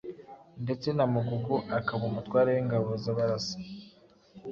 ndetse na Mugugu akaba umutware w’ingabo z’Abarasa.